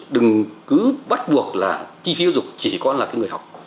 đừng cứ bắt buộc là chi phí giáo dục chỉ có là cái người học